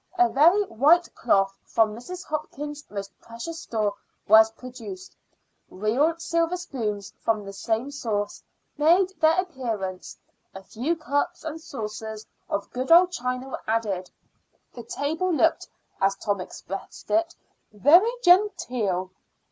A very white cloth from Mrs. Hopkins's most precious store was produced; real silver spoons from the same source made their appearance; a few cups and saucers of good old china were added. The table looked, as Tom expressed it, "very genteel."